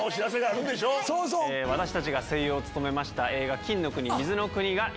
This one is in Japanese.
私たちが声優を務めました。